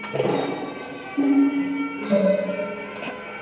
สวัสดีครับทุกคน